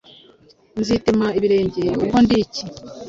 nzitema ibirenge. Ubwo ndi iki?